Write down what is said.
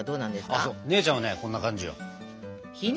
あ姉ちゃんはこんな感じよ。